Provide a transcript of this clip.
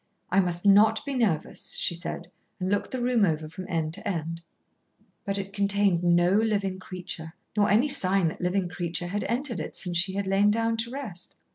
"I must not be nervous," she said, and looked the room over from end to end. But it contained no living creature, nor any sign that living creature had entered it since she had lain down to rest.